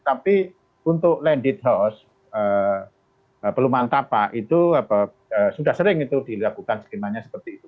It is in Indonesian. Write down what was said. tapi untuk landed house pelumahan tapak itu sudah sering itu dilakukan skemanya seperti itu